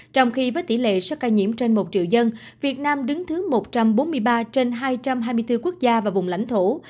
trong khi với tỷ lệ số ca nhiễm trên một triệu dân việt nam đứng thứ một trăm bốn mươi ba trên hai trăm hai mươi bốn quốc gia và vùng lãnh thổ